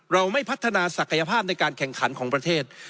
เราไม่พัฒนาศักยภาพในการแข่งขันของประเทศ